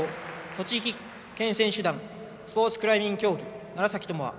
栃木県選手団スポーツクライミング競技楢＊智亜。